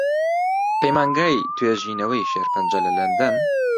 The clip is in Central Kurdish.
پەیمانگای توێژینەوەی شێرپەنجە لە لەندەن